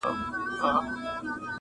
بېله ځنډه به دې یوسي تر خپل کلي،